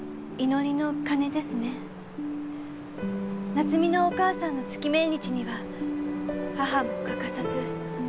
夏海のお母さんの月命日には母も欠かさず。